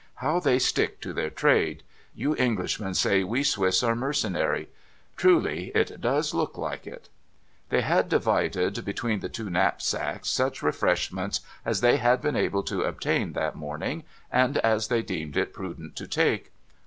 ' How they stick to their trade ! You Englishmen say we Swiss are mercenary. Truly, it does look like it.' They had divided between the two knapsacks such refreshments as they had been able to obtain that morning, and as they deemed it prudent to take.